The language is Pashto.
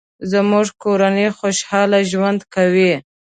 زموږ کورنۍ خوشحاله ژوند کوي